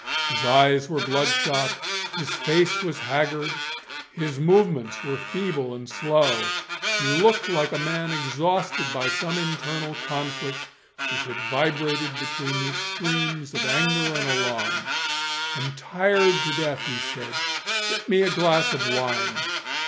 His eyes were bloodshot, his face was haggard, his movements were feeble and slow. He looked like a man exhausted by some internal conflict, which had vibrated between the extremes of anger and alarm. "I'm tired to death," he said; "get me a glass of wine."